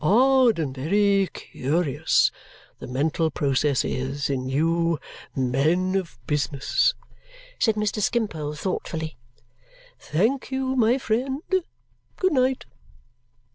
"Very odd and very curious, the mental process is, in you men of business!" said Mr. Skimpole thoughtfully. "Thank you, my friend. Good night."